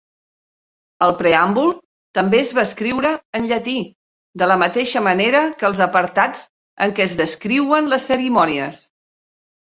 El preàmbul també es va escriure en llatí, de la mateixa manera que els apartats en què es descriuen les cerimònies.